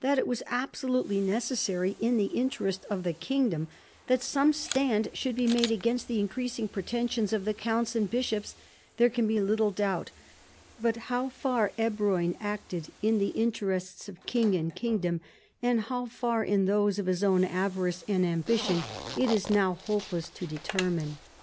That it was absolutely necessary in the^interest of the kingdom that some stand should be made against the increasing pretensions of the counts and bishops there can be little doubt, but how far Ebroin acted in the interests of king and kingdom, and how far in those of his own avarice and ambition, it is now hopeless to determine.